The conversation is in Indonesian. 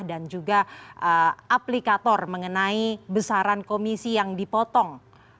dan juga aplikator mengenai besaran komisi yang dipotong